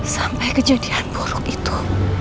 sampai kejadian buruk itu